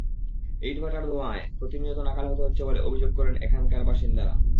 ইটভাটার ধোঁয়ায় প্রতিনিয়ত নাকাল হতে হচ্ছে বলে অভিযোগ করেন এখানকার বাসিন্দারা।